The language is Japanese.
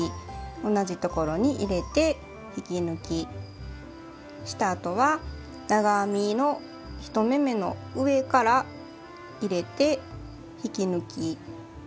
同じところに入れて引き抜きしたあとは長編みの１目めの上から入れて引き抜き。